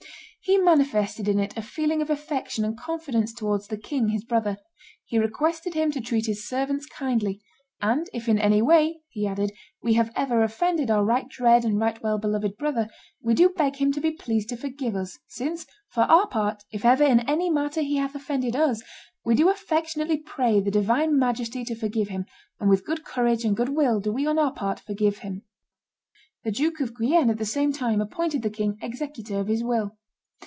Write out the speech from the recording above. He manifested in it a feeling of affection and confidence towards the king his brother; he requested him to treat his servants kindly; "and if in any way," he added, "we have ever offended our right dread and right well beloved brother, we do beg him to be pleased to forgive us; since, for our part, if ever in any matter he hath offended us, we do affectionately pray the Divine Majesty to forgive him, and with good courage and good will do we on our part forgive him." The Duke of Guienne at the same time appointed the king executor of his will.